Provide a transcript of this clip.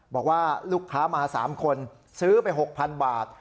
บอกว่าลูกค้ามา๓คนซื้อไป๖๐๐๐บาท